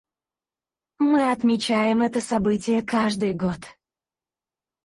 Мы отмечаем это событие каждый год.